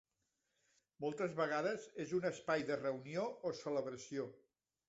Moltes vegades és un espai de reunió o celebració.